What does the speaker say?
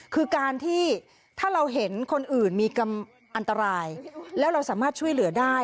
คือการที่ถ้าเราเห็นคนอื่นมีอันตรายแล้วเราสามารถช่วยเหลือได้